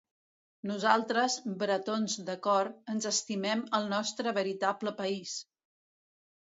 Nosaltres, bretons de cor, ens estimem el nostre veritable país!